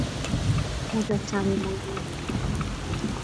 مجسمه مانند